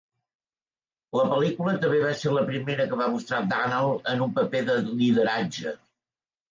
La pel·lícula també va ser la primera que va mostrar Donald en un paper de lideratge.